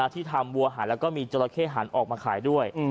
ที่ทำวัวหันแล้วก็มีจราเข้หันออกมาขายด้วย